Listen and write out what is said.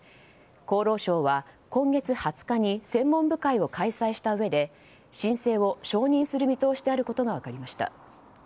厚労省は今月２０日に専門部会を開催したうえで申請を承認する見通しであることが分かりました。